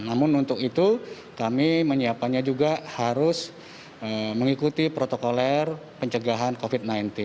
namun untuk itu kami menyiapkannya juga harus mengikuti protokol air pencegahan covid sembilan belas